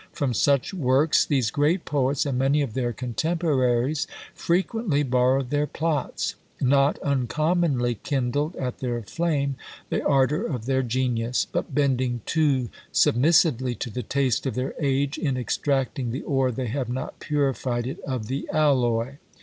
From such works these great poets, and many of their contemporaries, frequently borrowed their plots; not uncommonly kindled at their flame the ardour of their genius; but bending too submissively to the taste of their age, in extracting the ore they have not purified it of the alloy.